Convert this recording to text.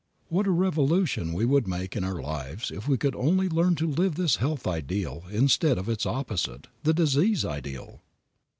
What a revolution we would make in our lives if we could only learn to live this health ideal instead of its opposite, the disease ideal!